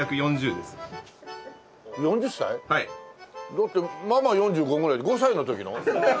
だってママは４５ぐらいで５歳の時の？